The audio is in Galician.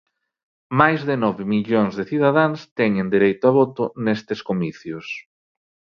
Máis de nove millóns de cidadáns teñen dereito a voto nestes comicios.